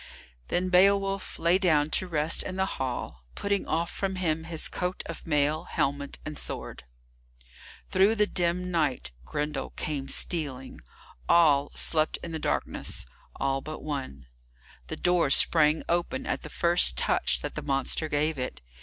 Then Beowulf lay down to rest in the hall, putting off from him his coat of mail, helmet, and sword. Through the dim night Grendel came stealing. All slept in the darkness, all but one! The door sprang open at the first touch that the monster gave it.